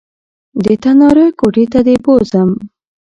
د تناره کوټې ته دې بوځم